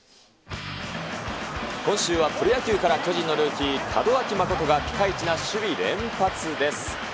今週はプロ野球から巨人のルーキー、門脇誠がピカイチな守備連発です。